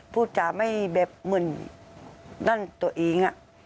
จ๋าไม่แบบเหมือนนั่นตัวเอง